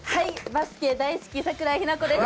バスケ大好き桜井日奈子です。